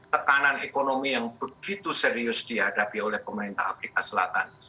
tekanan ekonomi yang begitu serius dihadapi oleh pemerintah afrika selatan